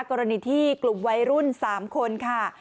กรณีที่กลุ่มวัยรุ่น๓คนค่ะ